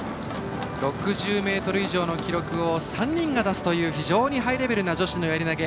６０ｍ以上の記録を３人が出すという非常にハイレベルな女子のやり投げ。